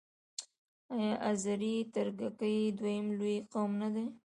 آیا آذری ترکګي دویم لوی قوم نه دی؟